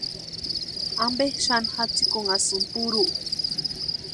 ¿Ampe xani jatsikunhasïnki purhu?